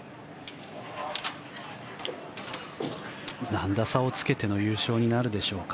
何打差をつけての優勝となるでしょうか。